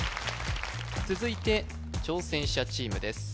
続いて挑戦者チームです